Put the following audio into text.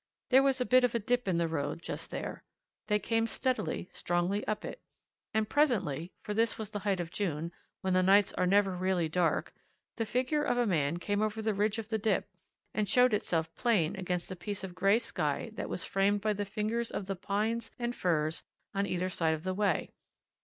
There was a bit of a dip in the road just there: they came steadily, strongly, up it. And presently for this was the height of June, when the nights are never really dark the figure of a man came over the ridge of the dip, and showed itself plain against a piece of grey sky that was framed by the fingers of the pines and firs on either side of the way.